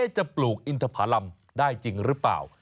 จะปลูกอินทภารำได้จริงหรือเปล่า